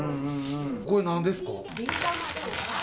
これ、なんですか？